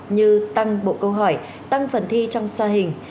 như tăng bộ câu hỏi tăng phần thi trong sa hình